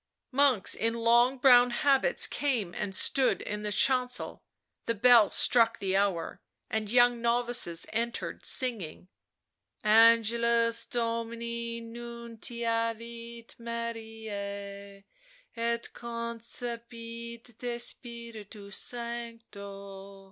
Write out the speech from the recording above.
Monks in long brown habits came and stood in the chancel ; the bell struck the hour, and young novices entered singing :" Angelus Domini nuntiavit Mariae, et concepit de Spiritu Sancto."